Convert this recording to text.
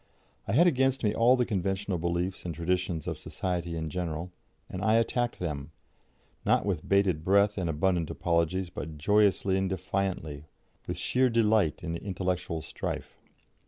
I had against me all the conventional beliefs and traditions of society in general, and I attacked them, not with bated breath and abundant apologies, but joyously and defiantly, with sheer delight in the intellectual strife.